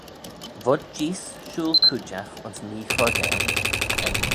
Vod jees shooyl cooidjagh ayns mee-choardail?